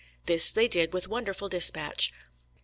This they did with wonderful dispatch.